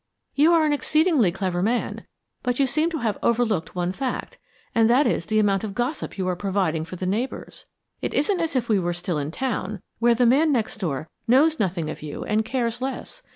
You are an exceedingly clever man, but you seem to have overlooked one fact, and that is the amount of gossip you are providing for the neighbors. It isn't as if we were still in town, where the man next door knows nothing of you and cares less.